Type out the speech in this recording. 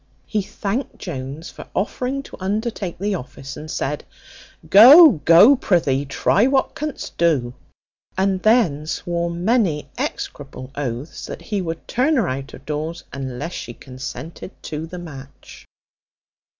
He thanked Jones for offering to undertake the office, and said, "Go, go, prithee, try what canst do;" and then swore many execrable oaths that he would turn her out of doors unless she consented to the match.